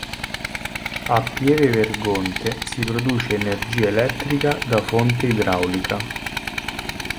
A Pieve Vergonte si produce energia elettrica da fonte idraulica.